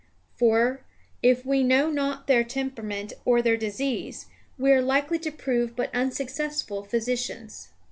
For, if we know not their temperament or their disease, we are likely to prove but unsuccessful physicians."